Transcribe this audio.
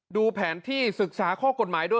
ดูแผนที่ศึกษาข้อกฎหมายด้วย